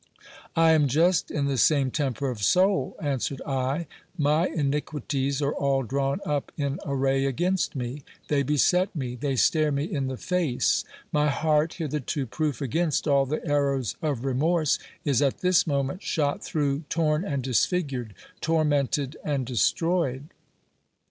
I am just in the same temper of soul, answered I ; my iniquities are all drawn up in array against me, they beset me, they stare me in the face ; my heart, hitherto proof against all the arrows of remorse, is at this moment shot through, torn and disfigured, tormented and destroyed.